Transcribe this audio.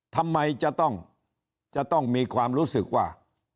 ทำไมจะต้องมีความรู้สึกว่า